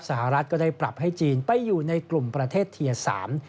สหรัฐก็ได้ปรับให้จีนไปอยู่ในกลุ่มประเทศเทียสาม